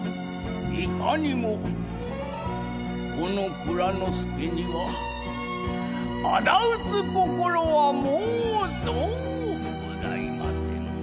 「いかにもこの内蔵助には仇討つ心はもうとう御座いません。